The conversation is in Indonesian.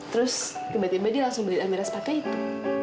terus tiba tiba dia langsung beli amira sepatu itu